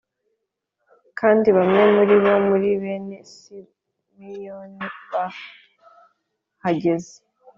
Kandi bamwe muri bo muri bene Simiyoni bahageze